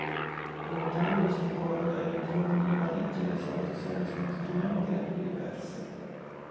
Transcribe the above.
Allontanandosi ancora dai dintorni di Parigi, le situazioni sono altrimenti le più diverse.